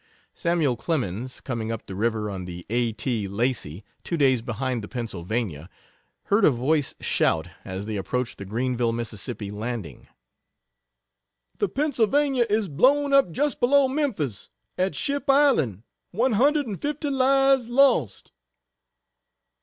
Samuel Clemens, coming up the river on the A. T. Lacey, two days behind the Pennsylvania, heard a voice shout as they approached the Greenville, Mississippi, landing: "The Pennsylvania is blown up just below Memphis, at Ship Island! One hundred and fifty lives lost!"